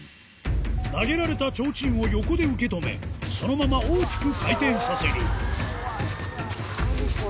投げられた提灯を横で受け止め、そのまま大きく回転させる。